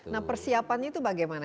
nah persiapannya itu bagaimana